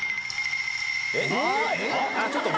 えっ？